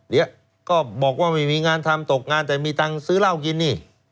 เดี๋ยวก็บอกว่าไม่มีงานทำตกงานแต่มีตังค์ซื้อเหล้ากินนี่